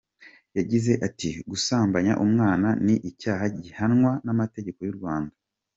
Yagize ati“Gusambanya umwana ni icyaha gihanywa n’amategeko y’u Rwanda.